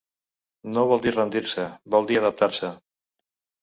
No vol dir rendir-se, vol dir adaptar-se.